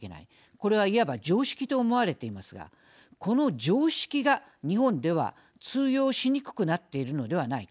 これは、いわば常識と思われていますがこの常識が日本では通用しにくくなっているのではないか。